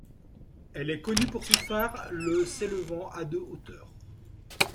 Elle est connue pour son phare, le s'élevant à de hauteur.